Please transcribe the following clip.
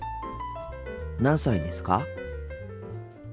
何歳ですか？